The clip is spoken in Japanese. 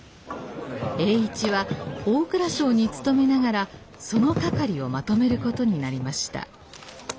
栄一は大蔵省に勤めながらその掛をまとめることになりました。